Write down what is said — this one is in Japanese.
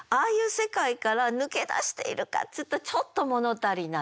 世界から抜け出しているかっていうとちょっと物足りない。